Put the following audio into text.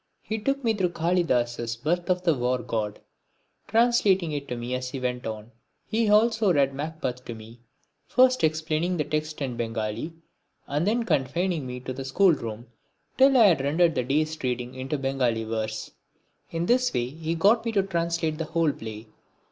He took me through Kalidas's "Birth of the War god," translating it to me as we went on. He also read Macbeth to me, first explaining the text in Bengali, and then confining me to the school room till I had rendered the day's reading into Bengali verse. In this way he got me to translate the whole play.